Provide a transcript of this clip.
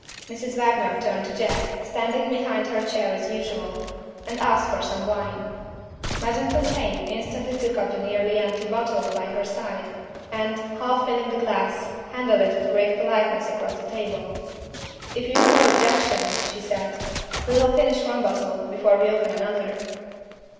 Mrs. Wagner turned to Jack, standing behind her chair as usual, and asked for some wine. Madame Fontaine instantly took up the nearly empty bottle by her side, and, half filling a glass, handed it with grave politeness across the table. "If you have no objection," she said, "we will finish one bottle, before we open another."